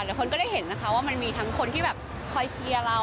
คนก็ได้เห็นนะคะว่ามันมีทั้งคนที่แบบคอยเชียร์เรา